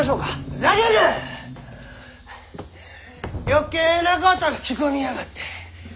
余計なこと吹き込みやがって。